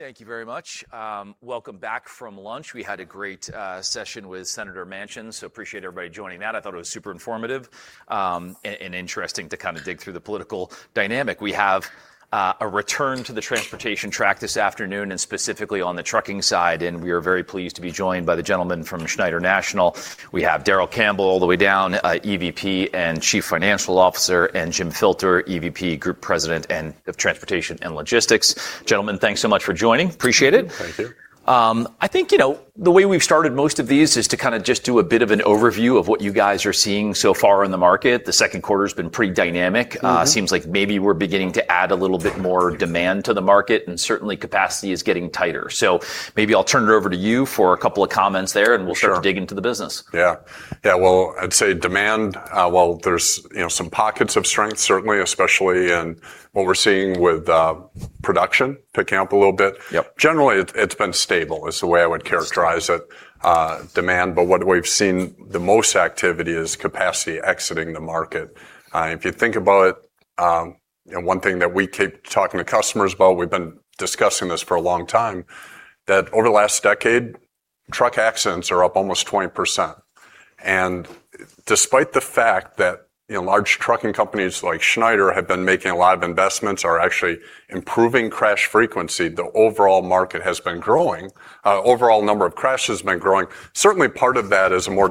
Thank you very much. Welcome back from lunch. We had a great session with Senator Manchin, appreciate everybody joining that. I thought it was super informative and interesting to kind of dig through the political dynamic. We have a return to the transportation track this afternoon, specifically on the trucking side, and we are very pleased to be joined by the gentleman from Schneider National. We have Darrell Campbell all the way down, EVP and Chief Financial Officer, and Jim Filter, EVP, Group President of Transportation and Logistics. Gentlemen, thanks so much for joining. Appreciate it. Thank you. I think the way we've started most of these is to kind of just do a bit of an overview of what you guys are seeing so far in the market. The second quarter's been pretty dynamic. Seems like maybe we're beginning to add a little bit more demand to the market, certainly capacity is getting tighter. Maybe I'll turn it over to you for a couple of comments there. Sure. We'll start to dig into the business. I'd say demand, while there's some pockets of strength, certainly, especially in what we're seeing with production picking up a little bit. Yep. Generally, it's been stable, is the way I would characterize it, demand. What we've seen the most activity is capacity exiting the market. If you think about it, one thing that we keep talking to customers about, we've been discussing this for a long time, that over the last decade, truck accidents are up almost 20%. Despite the fact that large trucking companies like Schneider have been making a lot of investments, are actually improving crash frequency, the overall market has been growing. Overall number of crashes has been growing. Certainly, part of that is a more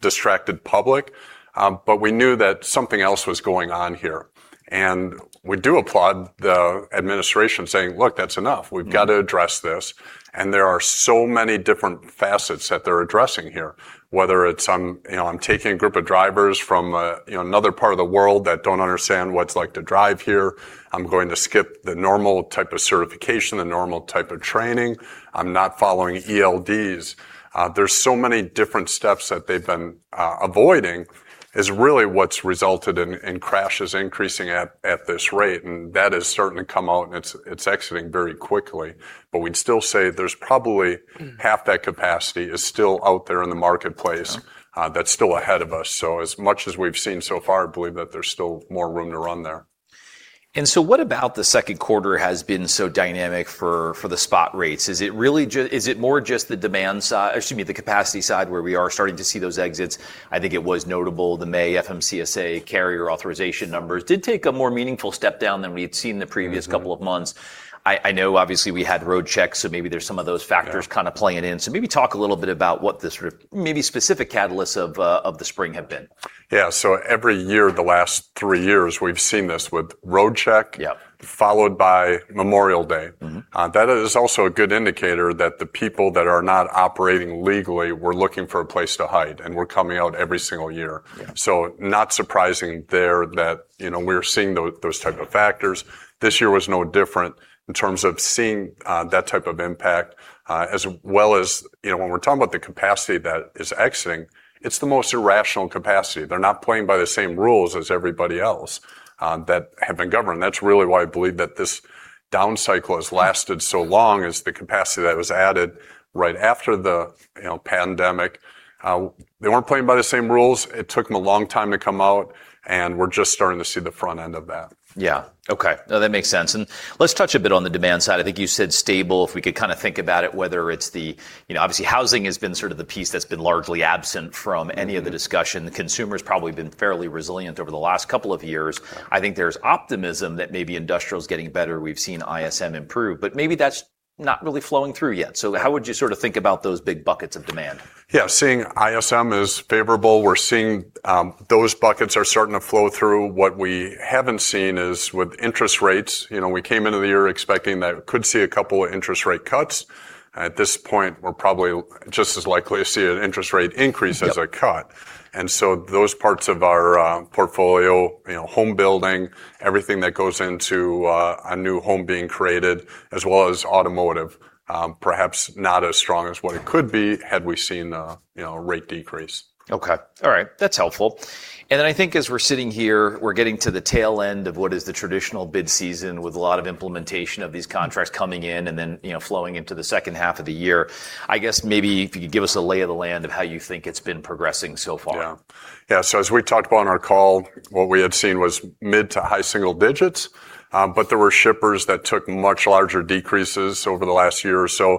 distracted public, but we knew that something else was going on here. We do applaud the administration saying, "Look, that's enough. We've got to address this." There are so many different facets that they're addressing here, whether it's, I'm taking a group of drivers from another part of the world that don't understand what it's like to drive here. I'm going to skip the normal type of certification, the normal type of training. I'm not following ELDs. There's so many different steps that they've been avoiding, is really what's resulted in crashes increasing at this rate. That has certainly come out, and it's exiting very quickly. We'd still say there's probably half that capacity is still out there in the marketplace. That's still ahead of us. As much as we've seen so far, I believe that there's still more room to run there. What about the second quarter has been so dynamic for the spot rates? Is it more just the demand side, the capacity side where we are starting to see those exits? I think it was notable, the May FMCSA carrier authorization numbers did take a more meaningful step down than we had seen the previous couple of months. I know obviously we had Roadcheck. Maybe there's some of those factors. Yeah. kind of playing in. Maybe talk a little bit about what the sort of maybe specific catalysts of the spring have been. Yeah. Every year, the last three years, we've seen this with Roadcheck. Yep. Followed by Memorial Day. That is also a good indicator that the people that are not operating legally were looking for a place to hide and were coming out every single year. Yeah. Not surprising there that we're seeing those type of factors. This year was no different in terms of seeing that type of impact, as well as when we're talking about the capacity that is exiting, it's the most irrational capacity. They're not playing by the same rules as everybody else that have been governed. That's really why I believe that this down cycle has lasted so long, is the capacity that was added right after the pandemic. They weren't playing by the same rules. It took them a long time to come out, and we're just starting to see the front end of that. Yeah. Okay. No, that makes sense. Let's touch a bit on the demand side. I think you said stable. If we could kind of think about it, whether it's the, obviously housing has been sort of the piece that's been largely absent from any of the discussion. The consumer's probably been fairly resilient over the last couple of years. I think there's optimism that maybe industrial's getting better. We've seen ISM improve, but maybe that's not really flowing through yet. How would you sort of think about those big buckets of demand? Yeah. Seeing ISM is favorable. We're seeing those buckets are starting to flow through. What we haven't seen is with interest rates. We came into the year expecting that we could see a couple of interest rate cuts. At this point, we're probably just as likely to see an interest rate increase as a cut. Yep. Those parts of our portfolio, home building, everything that goes into a new home being created, as well as automotive, perhaps not as strong as what it could be, had we seen a rate decrease. Okay. All right. That's helpful. I think as we're sitting here, we're getting to the tail end of what is the traditional bid season with a lot of implementation of these contracts coming in and then flowing into the second half of the year. I guess maybe if you could give us a lay of the land of how you think it's been progressing so far. Yeah. As we talked about on our call, what we had seen was mid to high single digits, but there were shippers that took much larger decreases over the last year or so.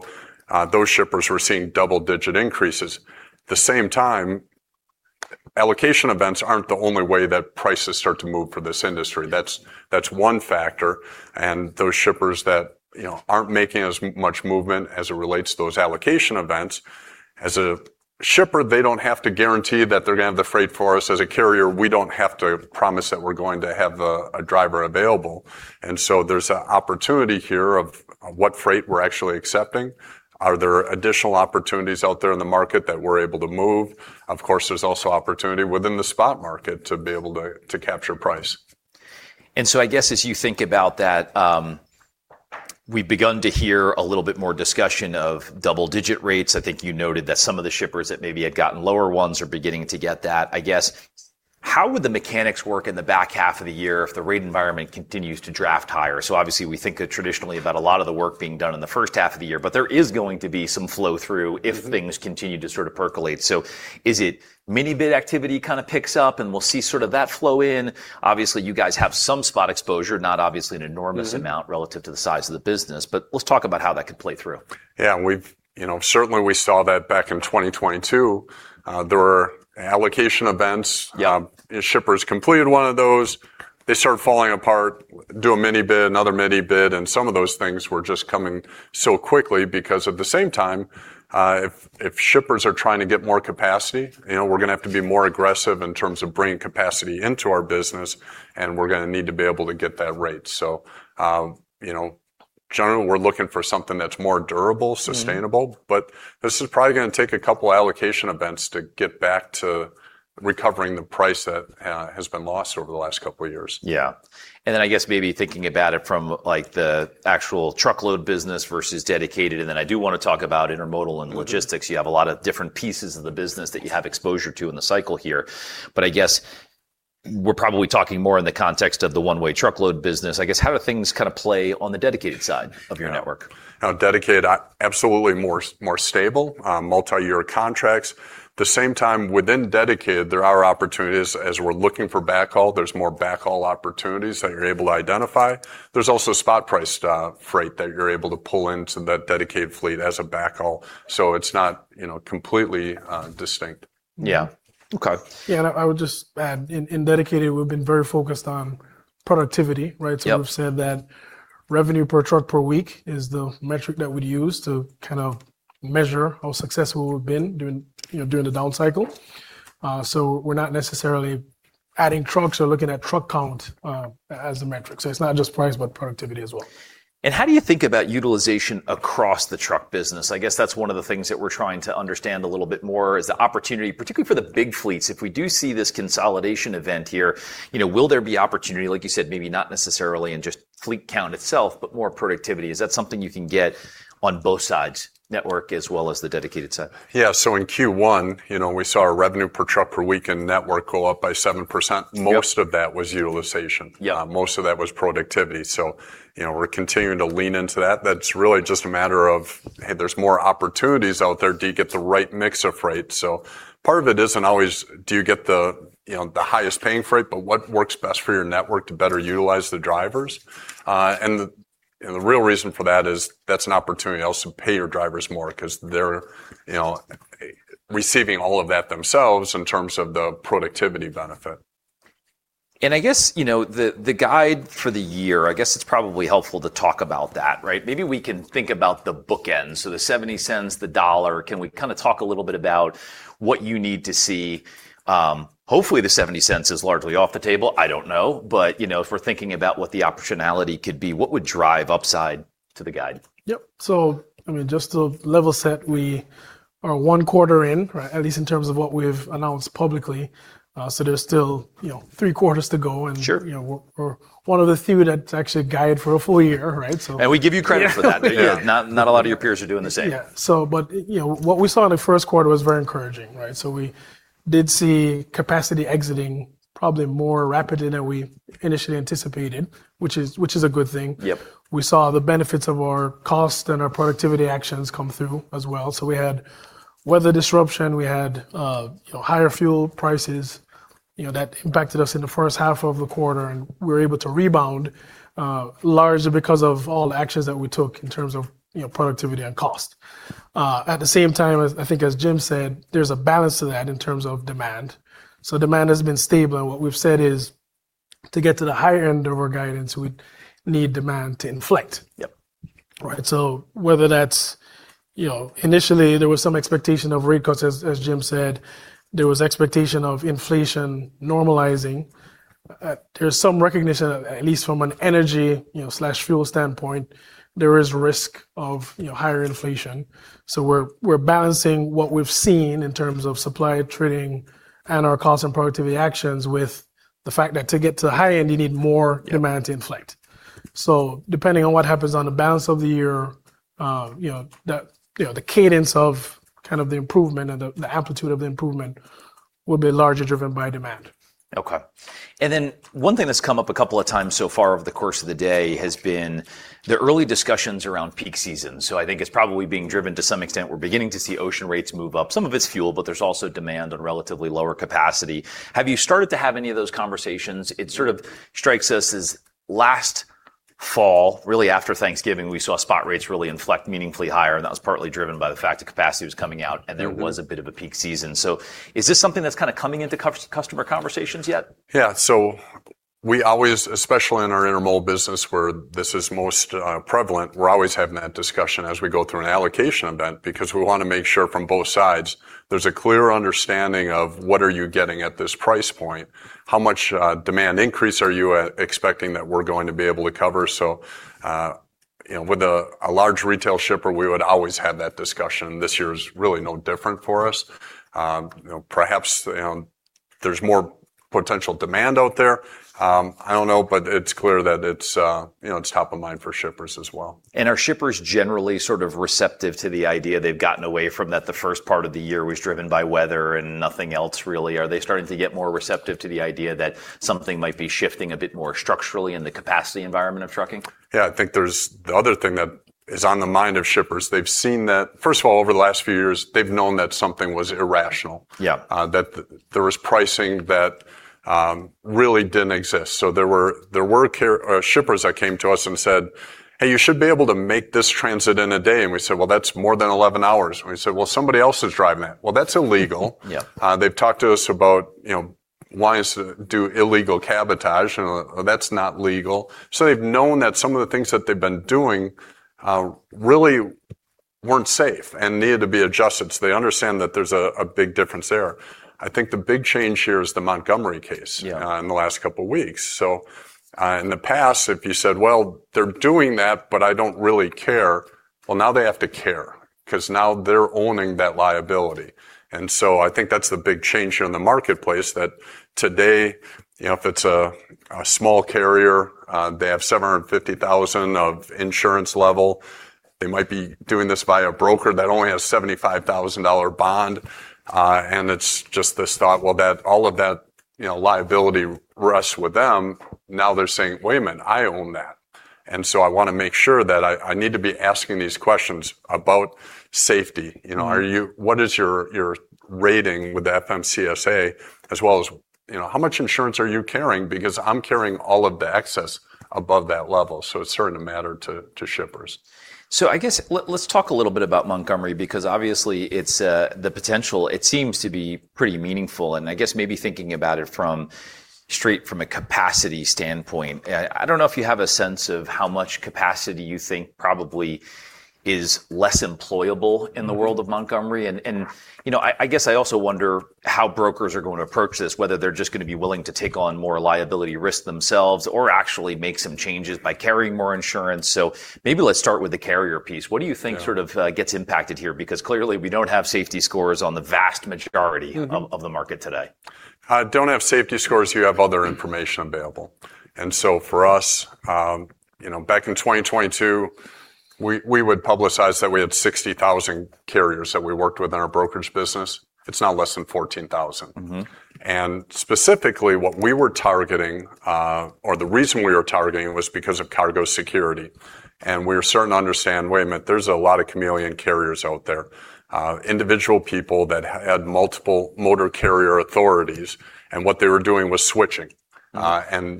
Those shippers were seeing double-digit increases. The same time, allocation events aren't the only way that prices start to move for this industry. That's one factor. Those shippers that aren't making as much movement as it relates to those allocation events, as a shipper, they don't have to guarantee that they're going to have the freight for us. As a carrier, we don't have to promise that we're going to have a driver available. There's an opportunity here of what freight we're actually accepting. Are there additional opportunities out there in the market that we're able to move? Of course, there's also opportunity within the spot market to be able to capture price. I guess as you think about that, we've begun to hear a little bit more discussion of double-digit rates. I think you noted that some of the shippers that maybe had gotten lower ones are beginning to get that. I guess, how would the mechanics work in the back half of the year if the rate environment continues to draft higher? Obviously, we think traditionally about a lot of the work being done in the first half of the year, but there is going to be some flow-through if things continue to percolate. Is it mini bid activity kind of picks up, and we'll see sort of that flow in? Obviously, you guys have some spot exposure, not obviously an enormous amount relative to the size of the business, but let's talk about how that could play through. Yeah. Certainly, we saw that back in 2022. There were allocation events. Yeah. Shippers completed one of those. They started falling apart, do a mini bid, another mini bid, and some of those things were just coming so quickly because at the same time, if shippers are trying to get more capacity, we're going to have to be more aggressive in terms of bringing capacity into our business, and we're going to need to be able to get that rate. In general, we're looking for something that's more durable, sustainable. This is probably going to take a couple of allocation events to get back to recovering the price that has been lost over the last couple of years. Yeah. Then, I guess, maybe thinking about it from the actual truckload business versus dedicated, then I do want to talk about intermodal and logistics. You have a lot of different pieces of the business that you have exposure to in the cycle here. I guess we're probably talking more in the context of the one-way truckload business. I guess, how do things kind of play on the dedicated side of your network? Dedicated, absolutely more stable. Multi-year contracts. The same time, within dedicated, there are opportunities as we're looking for backhaul. There's more backhaul opportunities that you're able to identify. There's also spot price freight that you're able to pull into that dedicated fleet as a backhaul. It's not completely distinct. Yeah. Okay. Yeah, I would just add, in dedicated, we've been very focused on productivity, right? Yep. We've said that revenue per truck per week is the metric that we'd use to kind of measure how successful we've been during the down cycle. We're not necessarily adding trucks or looking at truck count as a metric. It's not just price, but productivity as well. How do you think about utilization across the truck business? I guess that's one of the things that we're trying to understand a little bit more is the opportunity, particularly for the big fleets. If we do see this consolidation event here, will there be opportunity? Like you said, maybe not necessarily in just fleet count itself, but more productivity. Is that something you can get on both sides, network as well as the dedicated side? Yeah. In Q1, we saw our revenue per truck per week in network go up by 7%. Yep. Most of that was utilization. Yeah. Most of that was productivity. We're continuing to lean into that. That's really just a matter of, hey, there's more opportunities out there. Do you get the right mix of freight? Part of it isn't always do you get the highest paying freight, but what works best for your network to better utilize the drivers? The real reason for that is that's an opportunity also to pay your drivers more because they're receiving all of that themselves in terms of the productivity benefit. I guess, the guide for the year, I guess it's probably helpful to talk about that, right? Maybe we can think about the bookends. The $0.70, the $1.00. Can we talk a little bit about what you need to see? Hopefully, the $0.70 is largely off the table. I don't know. If we're thinking about what the optionality could be, what would drive upside to the guide? Yep. Just to level set, we are one quarter in, at least in terms of what we've announced publicly. There's still three quarters to go. Sure. we're one of the few that's actually guided for a full year, right? We give you credit for that. Yeah. Not a lot of your peers are doing the same. What we saw in the first quarter was very encouraging, right? We did see capacity exiting probably more rapidly than we initially anticipated, which is a good thing. Yep. We saw the benefits of our cost and our productivity actions come through as well. We had weather disruption. We had higher fuel prices that impacted us in the first half of the quarter, and we were able to rebound, largely because of all the actions that we took in terms of productivity and cost. At the same time, I think as Jim said, there's a balance to that in terms of demand. Demand has been stable, and what we've said is to get to the higher end of our guidance, we need demand to inflect. Yep. Right. Whether that's, initially, there was some expectation of rate cuts, as Jim said. There was expectation of inflation normalizing. There's some recognition, at least from an energy/fuel standpoint, there is risk of higher inflation. We're balancing what we've seen in terms of supply trading and our cost and productivity actions with the fact that to get to the high end, you need more demand to inflect. Depending on what happens on the balance of the year, the cadence of the improvement and the amplitude of the improvement will be largely driven by demand. Okay. One thing that's come up a couple of times so far over the course of the day has been the early discussions around peak season. I think it's probably being driven to some extent. We're beginning to see ocean rates move up. Some of it's fuel, but there's also demand and relatively lower capacity. Have you started to have any of those conversations? It sort of strikes us as last fall, really after Thanksgiving, we saw spot rates really inflect meaningfully higher, and that was partly driven by the fact that capacity was coming out, and there was a bit of a peak season. Is this something that's kind of coming into customer conversations yet? Yeah. We always, especially in our intermodal business where this is most prevalent, we're always having that discussion as we go through an allocation event because we want to make sure from both sides there's a clear understanding of what are you getting at this price point. How much demand increase are you expecting that we're going to be able to cover? With a large retail shipper, we would always have that discussion, and this year is really no different for us. Perhaps, you know, there's more potential demand out there. I don't know, but it's clear that it's top of mind for shippers as well. Are shippers generally sort of receptive to the idea they've gotten away from that the first part of the year was driven by weather and nothing else, really? Are they starting to get more receptive to the idea that something might be shifting a bit more structurally in the capacity environment of trucking? I think the other thing that is on the mind of shippers, they've seen that, first of all, over the last few years, they've known that something was irrational. Yeah. That there was pricing that really didn't exist. There were shippers that came to us and said, "Hey, you should be able to make this transit in one day." We said, "Well, that's more than 11 hours." They said, "Well, somebody else is driving it." "Well, that's illegal. Yeah. They've talked to us about, "Why do illegal cabotage?" "That's not legal." They've known that some of the things that they've been doing really weren't safe and needed to be adjusted. They understand that there's a big difference there. I think the big change here is the Montgomery case. Yeah. In the last couple of weeks. In the past, if you said, "Well, they're doing that, but I don't really care," well, now they have to care, because now they're owning that liability. I think that's the big change here in the marketplace, that today, if it's a small carrier, they have $750,000 of insurance level. They might be doing this by a broker that only has a $75,000 bond. It's just this thought, well, all of that liability rests with them. Now they're saying, "Wait a minute, I own that. I want to make sure that I need to be asking these questions about safety. What is your rating with the FMCSA, as well as how much insurance are you carrying? Because I'm carrying all of the excess above that level." It's starting to matter to shippers. I guess let's talk a little bit about Montgomery, because obviously the potential, it seems to be pretty meaningful, I guess maybe thinking about it straight from a capacity standpoint. I don't know if you have a sense of how much capacity you think probably is less employable in the world of Montgomery. I guess I also wonder how brokers are going to approach this. Whether they're just going to be willing to take on more liability risk themselves, or actually make some changes by carrying more insurance. Maybe let's start with the carrier piece. What do you think- Yeah. sort of gets impacted here? Clearly we don't have safety scores on the vast majority- of the market today. Don't have safety scores, you have other information available. For us, back in 2022, we would publicize that we had 60,000 carriers that we worked with in our brokerage business. It's now less than 14,000. Specifically, what we were targeting, or the reason we were targeting, was because of cargo security. We are starting to understand, wait a minute, there's a lot of chameleon carriers out there, individual people that had multiple motor carrier authorities, and what they were doing was switching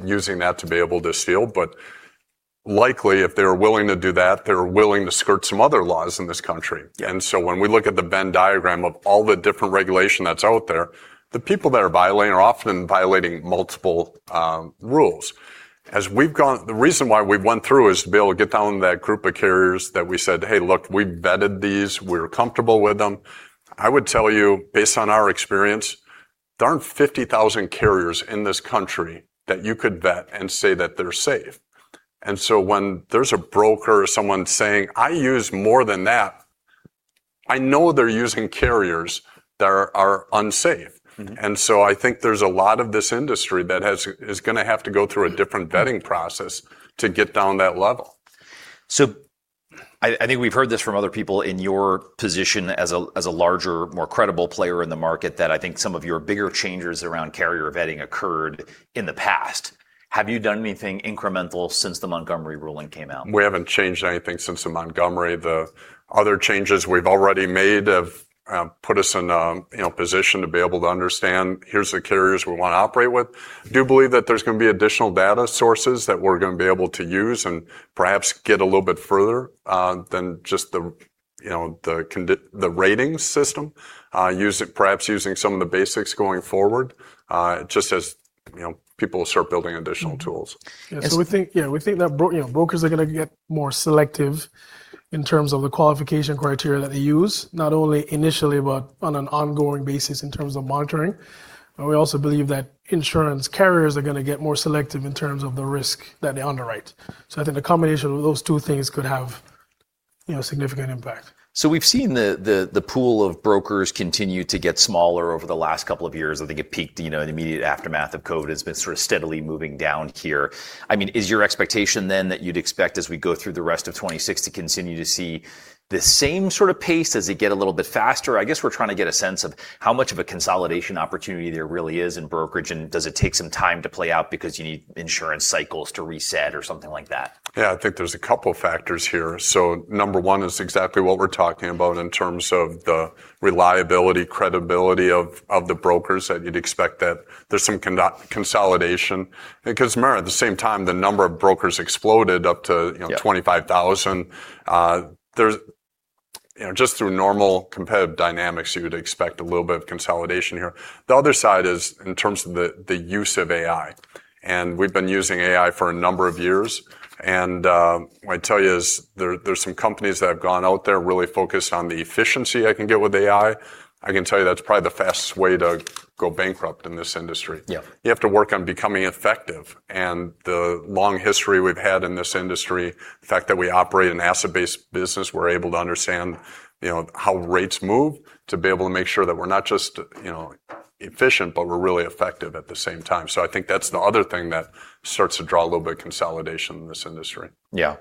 Using that to be able to steal. Likely, if they were willing to do that, they were willing to skirt some other laws in this country. Yeah. When we look at the Venn diagram of all the different regulation that's out there, the people that are violating are often violating multiple rules. The reason why we've went through is to be able to get down to that group of carriers that we said, "Hey, look, we vetted these. We're comfortable with them." I would tell you, based on our experience, there aren't 50,000 carriers in this country that you could vet and say that they're safe. When there's a broker or someone saying, "I use more than that," I know they're using carriers that are unsafe. I think there's a lot of this industry that is going to have to go through a different vetting process to get down that level. I think we've heard this from other people in your position as a larger, more credible player in the market, that I think some of your bigger changes around carrier vetting occurred in the past. Have you done anything incremental since the Montgomery ruling came out? We haven't changed anything since the Montgomery. The other changes we've already made have put us in a position to be able to understand, here's the carriers we want to operate with. I do believe that there's going to be additional data sources that we're going to be able to use and perhaps get a little bit further than just the ratings system. Perhaps using some of the basics going forward, just as people start building additional tools. Yeah. We think that brokers are going to get more selective in terms of the qualification criteria that they use, not only initially, but on an ongoing basis in terms of monitoring. We also believe that insurance carriers are going to get more selective in terms of the risk that they underwrite. I think the combination of those two things could have a significant impact. We've seen the pool of brokers continue to get smaller over the last couple of years. I think it peaked in the immediate aftermath of COVID, it's been sort of steadily moving down here. Is your expectation then that you'd expect as we go through the rest of 2026 to continue to see the same sort of pace, does it get a little bit faster? I guess we're trying to get a sense of how much of a consolidation opportunity there really is in brokerage, and does it take some time to play out because you need insurance cycles to reset or something like that? Yeah. I think there's a couple factors here. Number one is exactly what we're talking about in terms of the reliability, credibility of the brokers, that you'd expect that there's some consolidation. Because remember, at the same time, the number of brokers exploded up to 25,000. Yeah. Just through normal competitive dynamics, you would expect a little bit of consolidation here. The other side is in terms of the use of AI, and we've been using AI for a number of years. What I'd tell you is there's some companies that have gone out there really focused on the efficiency I can get with AI. I can tell you that's probably the fastest way to go bankrupt in this industry. Yeah. You have to work on becoming effective, and the long history we've had in this industry, the fact that we operate an asset-based business, we're able to understand how rates move, to be able to make sure that we're not just efficient, but we're really effective at the same time. I think that's the other thing that starts to draw a little bit of consolidation in this industry. Yeah.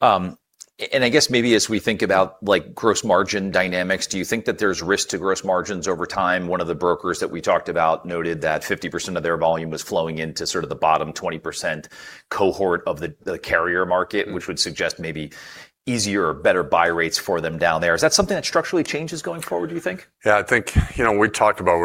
I guess maybe as we think about gross margin dynamics, do you think that there's risk to gross margins over time? One of the brokers that we talked about noted that 50% of their volume was flowing into sort of the bottom 20% cohort of the carrier market, which would suggest maybe easier or better buy rates for them down there. Is that something that structurally changes going forward, do you think? Yeah, I think we talked about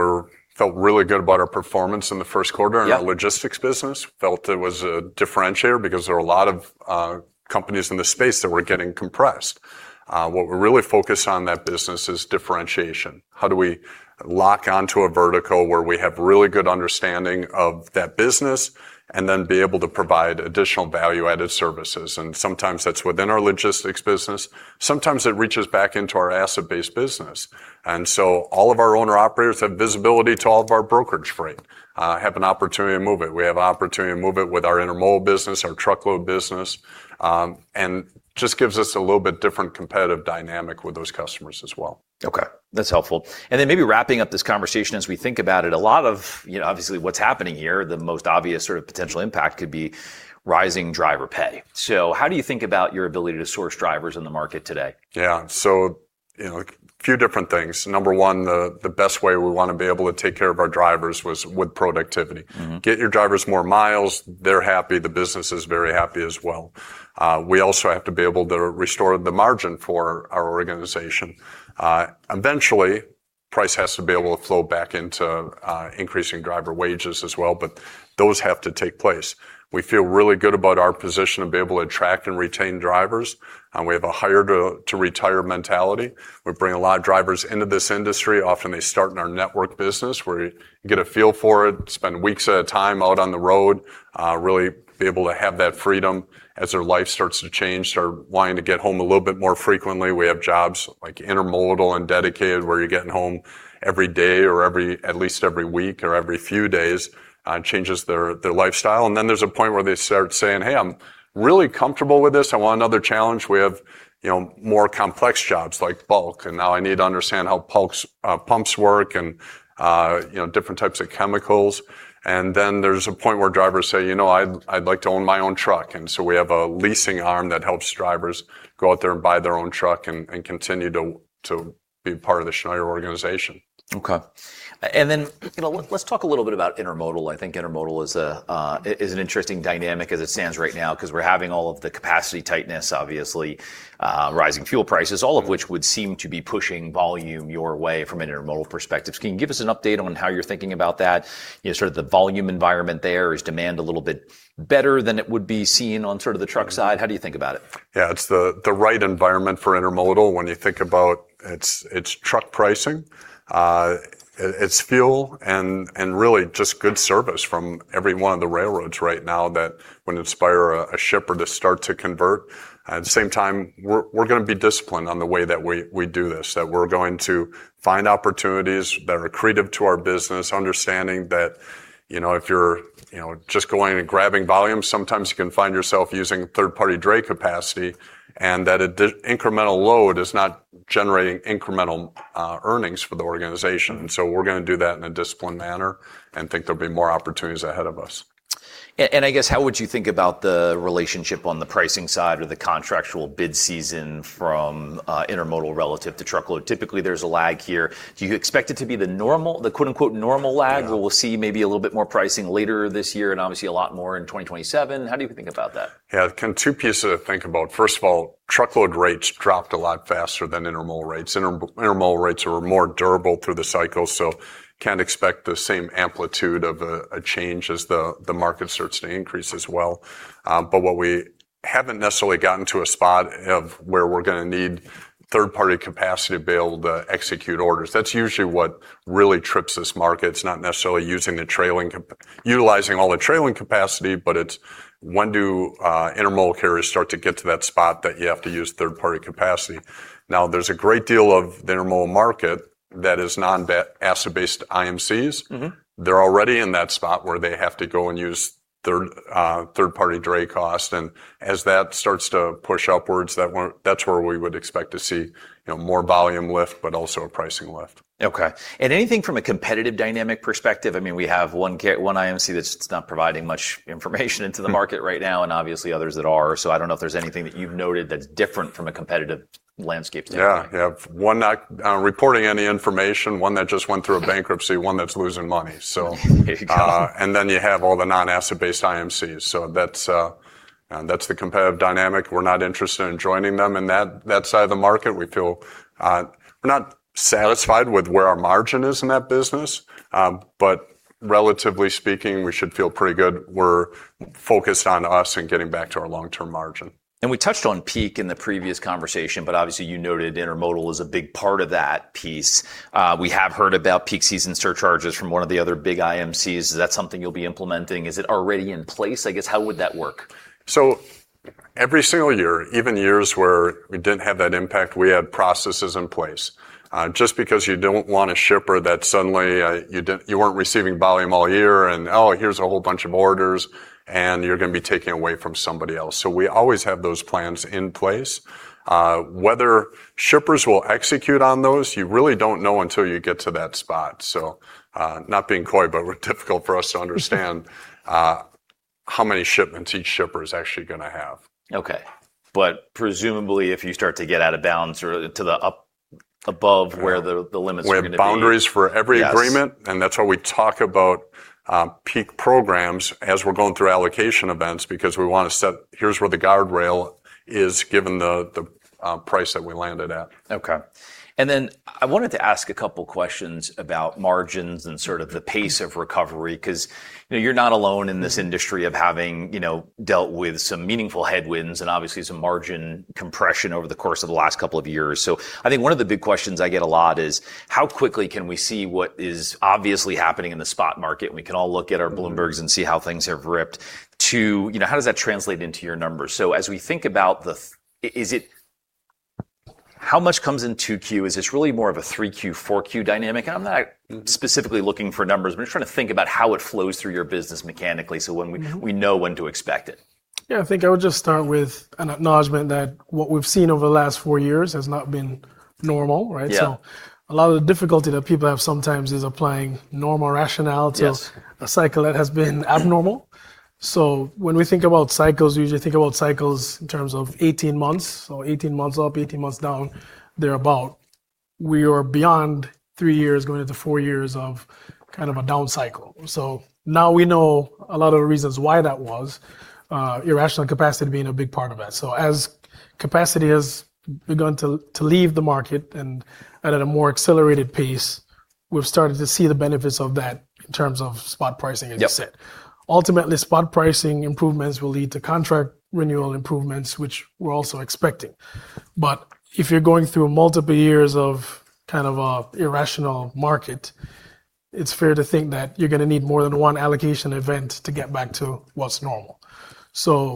we felt really good about our performance in the first quarter. Yeah. In our logistics business. Felt it was a differentiator because there were a lot of companies in the space that were getting compressed. What we're really focused on in that business is differentiation. How do we lock onto a vertical where we have really good understanding of that business, and then be able to provide additional value-added services? Sometimes that's within our logistics business, sometimes it reaches back into our asset-based business. So all of our owner-operators have visibility to all of our brokerage freight, have an opportunity to move it. We have an opportunity to move it with our intermodal business, our truckload business, just gives us a little bit different competitive dynamic with those customers as well. Okay, that's helpful. Then maybe wrapping up this conversation as we think about it, a lot of, obviously, what's happening here, the most obvious sort of potential impact could be rising driver pay. How do you think about your ability to source drivers in the market today? Yeah. A few different things. Number one, the best way we want to be able to take care of our drivers was with productivity. Get your drivers more miles, they're happy, the business is very happy as well. We also have to be able to restore the margin for our organization. Eventually, price has to be able to flow back into increasing driver wages as well. Those have to take place. We feel really good about our position to be able to attract and retain drivers. We have a hire to retire mentality. We bring a lot of drivers into this industry. Often, they start in our network business where you get a feel for it, spend weeks at a time out on the road, really be able to have that freedom. As their life starts to change, start wanting to get home a little bit more frequently, we have jobs like intermodal and dedicated, where you're getting home every day or at least every week or every few days. It changes their lifestyle. There's a point where they start saying, "Hey, I'm really comfortable with this. I want another challenge." We have more complex jobs like bulk. Now I need to understand how pumps work and different types of chemicals. There's a point where drivers say, "You know, I'd like to own my own truck." We have a leasing arm that helps drivers go out there and buy their own truck and continue to be part of the Schneider organization. Okay. Let's talk a little bit about intermodal. I think intermodal is an interesting dynamic as it stands right now because we're having all of the capacity tightness, obviously, rising fuel prices, all of which would seem to be pushing volume your way from an intermodal perspective. Can you give us an update on how you're thinking about that? Sort of the volume environment there. Is demand a little bit better than it would be seen on sort of the truck side? How do you think about it? Yeah. It's the right environment for intermodal when you think about its truck pricing, its fuel, and really just good service from every one of the railroads right now that would inspire a shipper to start to convert. At the same time, we're going to be disciplined on the way that we do this. That we're going to find opportunities that are accretive to our business, understanding that if you're just going and grabbing volume, sometimes you can find yourself using third-party dray capacity, and that incremental load is not generating incremental earnings for the organization. We're going to do that in a disciplined manner and think there'll be more opportunities ahead of us. I guess, how would you think about the relationship on the pricing side or the contractual bid season from intermodal relative to truckload? Typically, there's a lag here. Do you expect it to be the normal, the quote-unquote normal lag- Yeah. Where we'll see maybe a little bit more pricing later this year and obviously a lot more in 2027? How do you think about that? Yeah. Kind of two pieces to think about. First of all, truckload rates dropped a lot faster than intermodal rates. Intermodal rates were more durable through the cycle, so can't expect the same amplitude of a change as the market starts to increase as well. What we haven't necessarily gotten to a spot of where we're going to need third-party capacity to be able to execute orders. That's usually what really trips this market. It's not necessarily utilizing all the trailing capacity, but it's when do intermodal carriers start to get to that spot that you have to use third-party capacity. Now, there's a great deal of the intermodal market that is non-asset based IMCs. They're already in that spot where they have to go and use third-party dray cost. As that starts to push upwards, that's where we would expect to see more volume lift, but also a pricing lift. Okay. Anything from a competitive dynamic perspective? I mean, we have one IMC that's not providing much information into the market right now, and obviously others that are. I don't know if there's anything that you've noted that's different from a competitive landscape standpoint. Yeah. You have one not reporting any information, one that just went through a bankruptcy, one that's losing money. There you go. You have all the non-asset based IMCs. That's the competitive dynamic. We're not interested in joining them in that side of the market. We're not satisfied with where our margin is in that business, relatively speaking, we should feel pretty good. We're focused on us and getting back to our long-term margin. We touched on peak in the previous conversation, obviously you noted intermodal is a big part of that piece. We have heard about peak season surcharges from one of the other big IMCs. Is that something you'll be implementing? Is it already in place? I guess, how would that work? Every single year, even years where we didn't have that impact, we had processes in place. Just because you don't want a shipper that suddenly you weren't receiving volume all year, and here's a whole bunch of orders, and you're going to be taking away from somebody else. We always have those plans in place. Whether shippers will execute on those, you really don't know until you get to that spot. Not being coy, but we're difficult for us to understand how many shipments each shipper is actually going to have. Okay. Presumably, if you start to get out of bounds or to above where the limits are going to be. We have boundaries for every agreement. Yes. That's why we talk about peak programs as we're going through allocation events, because we want to set here's where the guardrail is given the price that we landed at. Okay. I wanted to ask two questions about margins and sort of the pace of recovery, because you're not alone in this industry of having dealt with some meaningful headwinds and obviously some margin compression over the course of the last two years. I think one of the big questions I get a lot is, how quickly can we see what is obviously happening in the spot market? We can all look at our Bloombergs and see how things have ripped to, how does that translate into your numbers? As we think about this, how much comes in 2Q? Is this really more of a 3Q, 4Q dynamic? I'm not specifically looking for numbers, but just trying to think about how it flows through your business mechanically so we know when to expect it. Yeah. I think I would just start with an acknowledgment that what we've seen over the last four years has not been normal, right? Yeah. A lot of the difficulty that people have sometimes is applying normal rationality. Yes. A cycle that has been abnormal. When we think about cycles, we usually think about cycles in terms of 18 months. 18 months up, 18 months down, thereabout. We are beyond three years, going into four years of kind of a down cycle. Now we know a lot of the reasons why that was, irrational capacity being a big part of it. As capacity has begun to leave the market and at a more accelerated pace, we've started to see the benefits of that in terms of spot pricing, as you said. Yep. Ultimately, spot pricing improvements will lead to contract renewal improvements, which we're also expecting. If you're going through multiple years of kind of a irrational market, it's fair to think that you're going to need more than one allocation event to get back to what's normal.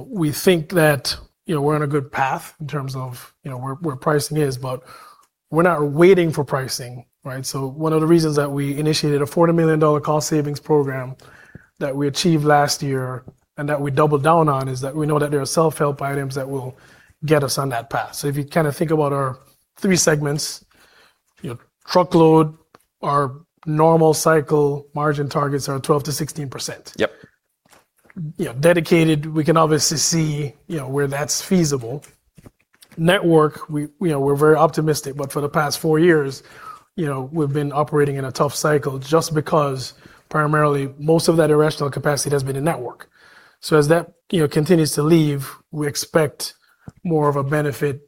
We think that we're on a good path in terms of where pricing is, but we're not waiting for pricing, right? One of the reasons that we initiated a $40 million cost savings program that we achieved last year and that we doubled down on, is that we know that there are self-help items that will get us on that path. If you think about our three segments, Truckload, our normal cycle margin targets are 12%-16%. Yep. Dedicated, we can obviously see where that's feasible. Network, we're very optimistic, but for the past four years, we've been operating in a tough cycle just because primarily most of that irrational capacity has been in Network. As that continues to leave, we expect more of a benefit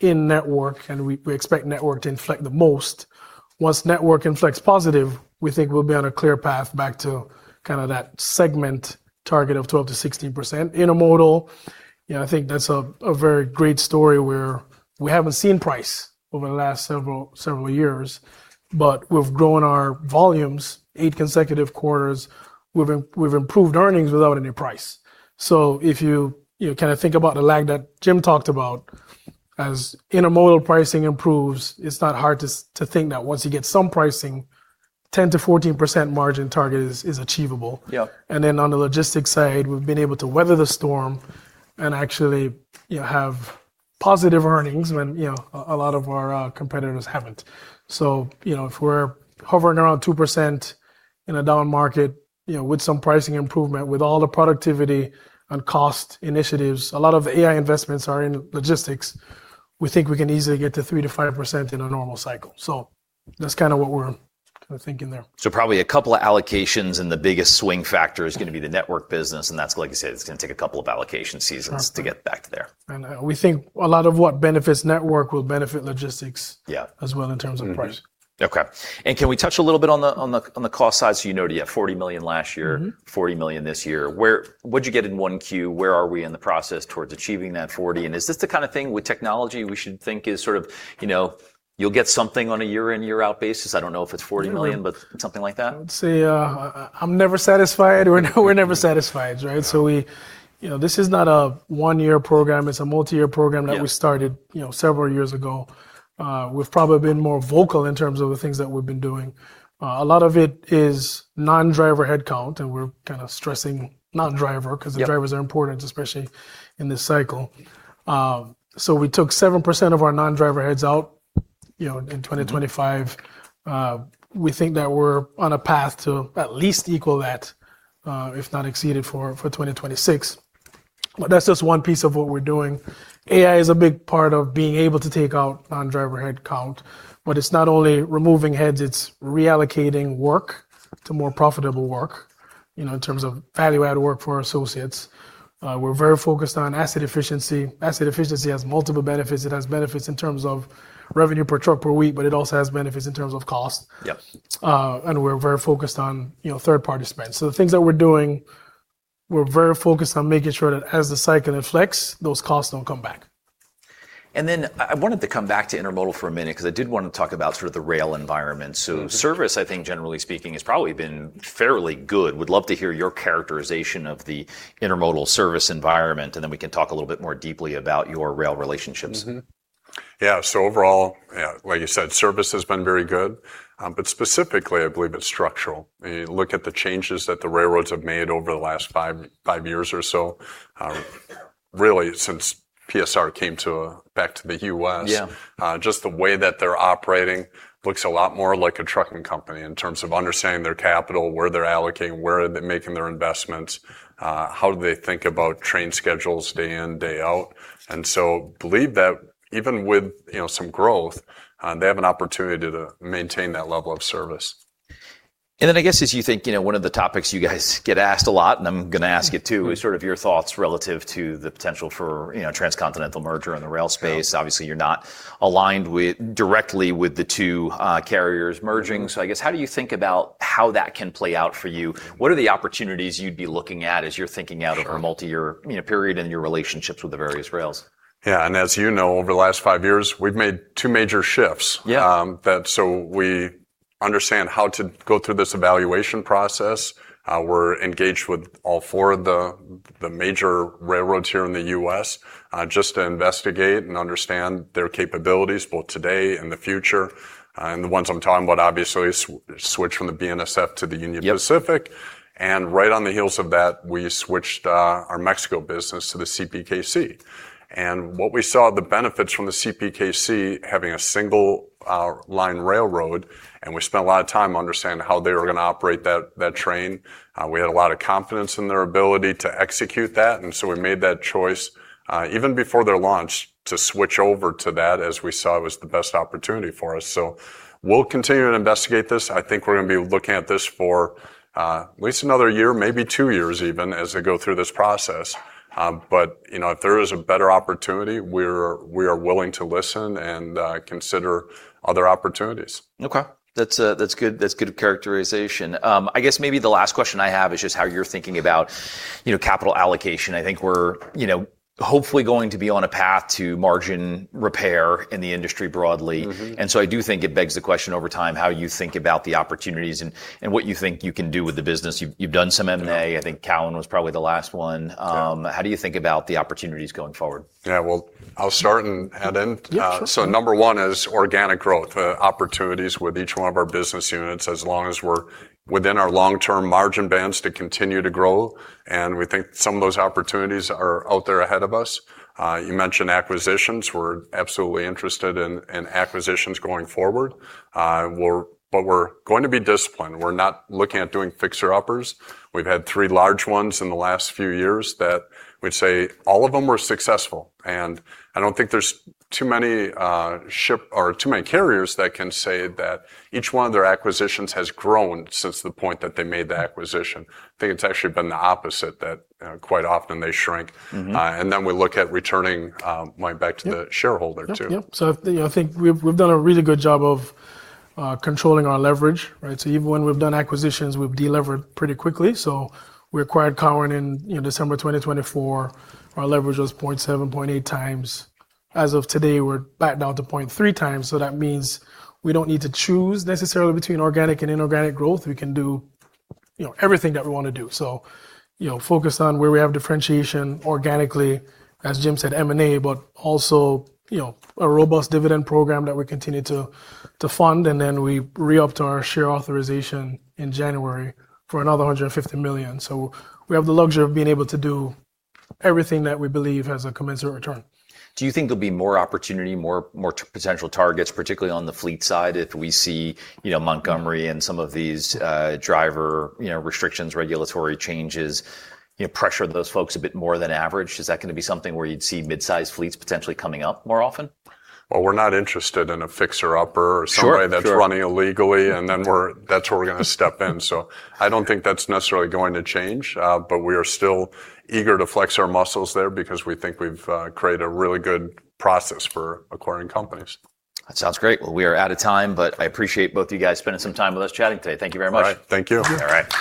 in Network, and we expect Network to inflect the most. Once Network inflects positive, we think we'll be on a clear path back to that segment target of 12%-16%. Intermodal, I think that's a very great story, where we haven't seen price over the last several years, but we've grown our volumes eight consecutive quarters. We've improved earnings without any price. If you think about the lag that Jim talked about, as Intermodal pricing improves, it's not hard to think that once you get some pricing, 10%-14% margin target is achievable. Yep. On the Logistics side, we've been able to weather the storm and actually have positive earnings when a lot of our competitors haven't. If we're hovering around 2% in a down market, with some pricing improvement, with all the productivity and cost initiatives, a lot of AI investments are in Logistics. We think we can easily get to 3%-5% in a normal cycle. That's kind of what we're thinking there. Probably a couple of allocations, and the biggest swing factor is going to be the network business, and that's like you said, it's going to take a couple of allocation seasons to get back there. We think a lot of what benefits network will benefit logistics- Yeah. as well, in terms of price. Mm-hmm. Okay. Can we touch a little bit on the cost side? You noted you had $40 million last year. $40 million this year. What'd you get in 1Q? Where are we in the process towards achieving that 40? Is this the kind of thing with technology we should think is sort of you'll get something on a year-in, year-out basis? I don't know if it's $40 million, but something like that? I would say, I'm never satisfied. We're never satisfied, right? This is not a one-year program. It's a multi-year program that we started several years ago. We've probably been more vocal in terms of the things that we've been doing. A lot of it is non-driver headcount, we're kind of stressing non-driver because the drivers are important, especially in this cycle. We took 7% of our non-driver heads out in 2025. We think that we're on a path to at least equal that, if not exceed it, for 2026. That's just one piece of what we're doing. AI is a big part of being able to take out non-driver headcount, but it's not only removing heads, it's reallocating work to more profitable work, in terms of value-add work for our associates. We're very focused on asset efficiency. Asset efficiency has multiple benefits. It has benefits in terms of revenue per truck per week, it also has benefits in terms of cost. Yep. We're very focused on third-party spend. The things that we're doing, we're very focused on making sure that as the cycle inflects, those costs don't come back. I wanted to come back to intermodal for a minute because I did want to talk about sort of the rail environment. Service, I think generally speaking, has probably been fairly good. Would love to hear your characterization of the intermodal service environment, and then we can talk a little bit more deeply about your rail relationships. Yeah. Overall, like you said, service has been very good. Specifically, I believe it's structural. You look at the changes that the railroads have made over the last five years or so. Really since PSR came back to the U.S. Yeah. Just the way that they're operating looks a lot more like a trucking company in terms of understanding their capital, where they're allocating, where are they making their investments, how do they think about train schedules day in, day out. Believe that even with some growth, they have an opportunity to maintain that level of service. As you think, one of the topics you guys get asked a lot, and I'm going to ask it too, is sort of your thoughts relative to the potential for transcontinental merger in the rail space. Yeah. Obviously, you're not aligned directly with the two carriers merging. I guess, how do you think about how that can play out for you? What are the opportunities you'd be looking at as you're thinking out over a multi-year period and your relationships with the various rails? Yeah, as you know, over the last five years, we've made two major shifts. Yeah. We understand how to go through this evaluation process. We're engaged with all four of the major railroads here in the U.S., just to investigate and understand their capabilities, both today and the future. The ones I'm talking about obviously, switch from the BNSF to the Union Pacific. Yep. Right on the heels of that, we switched our Mexico business to the CPKC. What we saw, the benefits from the CPKC having a single line railroad, and we spent a lot of time understanding how they were going to operate that train. We had a lot of confidence in their ability to execute that, we made that choice, even before their launch, to switch over to that as we saw it was the best opportunity for us. We'll continue to investigate this. I think we're going to be looking at this for at least another year, maybe two years even, as they go through this process. If there is a better opportunity, we are willing to listen and consider other opportunities. Okay. That's good characterization. I guess maybe the last question I have is just how you're thinking about capital allocation. I think we're hopefully going to be on a path to margin repair in the industry broadly. I do think it begs the question over time, how you think about the opportunities and what you think you can do with the business. You've done some M&A. Yeah. I think Cowan was probably the last one. Yeah. How do you think about the opportunities going forward? Yeah, well, I'll start and head in. Yeah, sure. Number one is organic growth, opportunities with each one of our business units, as long as we're within our long-term margin bands to continue to grow. We think some of those opportunities are out there ahead of us. You mentioned acquisitions. We're absolutely interested in acquisitions going forward. We're going to be disciplined. We're not looking at doing fixer uppers. We've had three large ones in the last few years that we'd say all of them were successful. I don't think there's too many carriers that can say that each one of their acquisitions has grown since the point that they made the acquisition. I think it's actually been the opposite, that quite often they shrink. We look at returning money back to the shareholder, too. Yep. I think we've done a really good job of controlling our leverage, right? Even when we've done acquisitions, we've delevered pretty quickly. We acquired Cowan in December 2024. Our leverage was 0.7, 0.8 times. As of today, we're back down to 0.3 times. That means we don't need to choose necessarily between organic and inorganic growth. We can do everything that we want to do. Focused on where we have differentiation organically, as Jim said, M&A, but also a robust dividend program that we continue to fund, we re-upped our share authorization in January for another $150 million. We have the luxury of being able to do everything that we believe has a commensurate return. Do you think there'll be more opportunity, more potential targets, particularly on the fleet side if we see Montgomery and some of these driver restrictions, regulatory changes, pressure those folks a bit more than average? Is that going to be something where you'd see mid-size fleets potentially coming up more often? Well, we're not interested in a fixer upper or somebody. Sure. That's running illegally, and then that's where we're going to step in. I don't think that's necessarily going to change. We are still eager to flex our muscles there because we think we've created a really good process for acquiring companies. That sounds great. We are out of time, but I appreciate both you guys spending some time with us chatting today. Thank you very much. All right. Thank you. Yeah. All right.